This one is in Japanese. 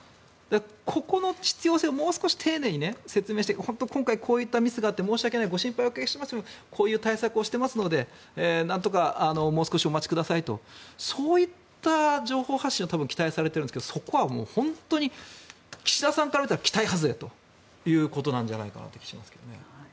ここの必要性をもう少し丁寧に説明して本当、今回こういったミスがあって申し訳ないご心配をおかけしますがこういう対策をしてますのでなんとかもう少しお待ちくださいとそういった情報発信を期待されているんですがそこは本当に岸田さんから見たら期待外れということなんじゃないかという気がしますけどね。